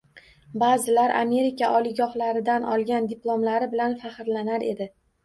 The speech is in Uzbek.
Baʼzilar Amerika oliygohlaridan olgan diplomlari bilan faxrlanar edi.